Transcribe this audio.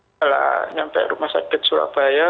setelah sampai rumah sakit surabaya